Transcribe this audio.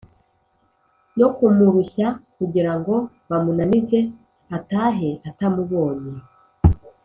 yo kumurushya kugira ngo bamunanize, atahe atamubonye.